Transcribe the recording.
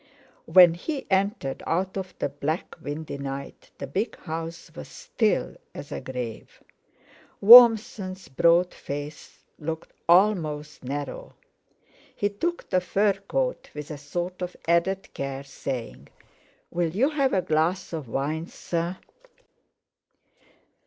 When he entered out of the black windy night, the big house was still as a grave. Warmson's broad face looked almost narrow; he took the fur coat with a sort of added care, saying: "Will you have a glass of wine, sir?"